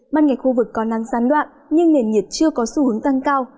mặt ngày khu vực còn nắng gián đoạn nhưng nền nhiệt chưa có xu hướng tăng cao